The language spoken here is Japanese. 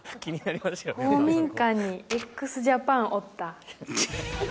「公民館にＸＪＡＰＡＮおった！」